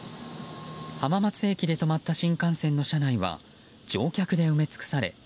浜松駅で止まった新幹線の車内は乗客で埋め尽くされ